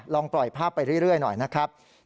ลองปล่อยภาพไปเรื่อยหน่อยนะครับ